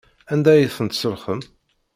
Anda ay ten-tselxem?